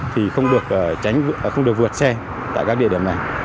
thì không được vượt xe tại các địa điểm này